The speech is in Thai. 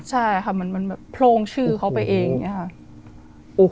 ใช่ค่ะมันโพรงชื่อเขาไปเองอย่างนี้ค่ะ